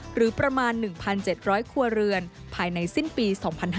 หรือประมาณ๑๗๐๐ครัวเรือนภายในสิ้นปี๒๕๕๙